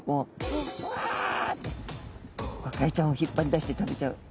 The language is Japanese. ゴカイちゃんを引っ張り出して食べちゃう。